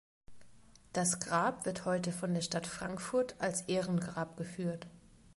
Das Grab wird heute von der Stadt Frankfurt als Ehrengrab geführt.